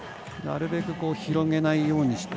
なるべく広げないように。